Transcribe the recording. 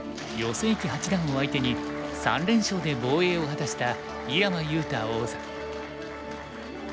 正麒八段を相手に３連勝で防衛を果たした井山裕太王座。